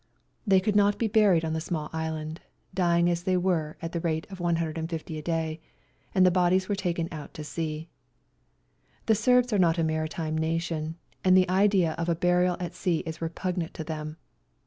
They could not be buried in the small island, dying as they were at the rate of 150 a day, and the bodies were taken out to sea. The Serbs are not a maritime nation, and the idea of a burial at sea is repugnant to them.